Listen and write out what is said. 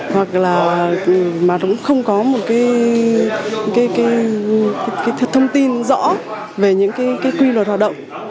hoặc là mà cũng không có một cái thông tin rõ về những cái quy luật hoạt động